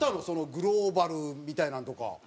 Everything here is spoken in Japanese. グローバルみたいなのとか。